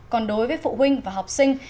còn đối với phụ huynh và học sinh